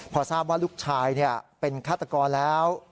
พอทราบว่าลูกชายเป็นฆาตกรแล้ว